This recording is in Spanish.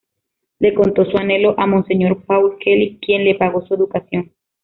Le contó su anhelo a Monseñor Paul Kelly, quien le pagó su educación.